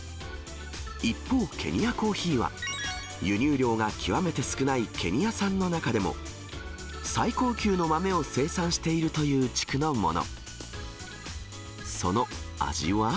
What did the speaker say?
一方、ケニアコーヒーは、輸入量が極めて少ないケニア産の中でも、最高級の豆を生産しているという地区のもの。